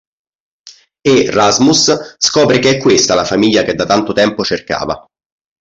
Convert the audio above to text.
E Rasmus scopre che è questa la famiglia che da tanto tempo cercava.